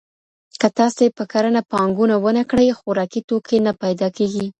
که تاسي په کرنه پانګونه ونه کړئ، خوراکي توکي نه پيدا کېږي.